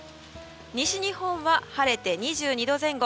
西日本は晴れて２２度前後。